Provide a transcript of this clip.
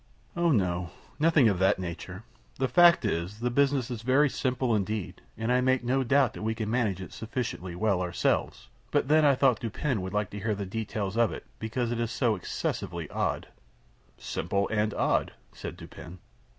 "Oh no, nothing of that nature. The fact is, the business is very simple indeed, and I make no doubt that we can manage it sufficiently well ourselves; but then I thought Dupin would like to hear the details of it, because it is so excessively odd." "Simple and odd," said Dupin.